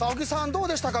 どうでしたか？